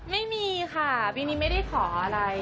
ไม่มีค่ะปีนี้ไม่ได้ขออะไร